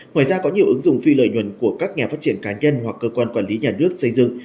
ngoài ra có nhiều ứng dụng phi lợi nhuận của các nhà phát triển cá nhân hoặc cơ quan quản lý nhà nước xây dựng